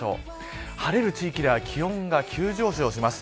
晴れる地域では気温が急上昇します。